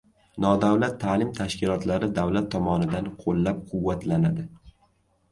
Nodavlat ta’lim tashkilotlari davlat tomonidan qo‘llab-quvvatlanadi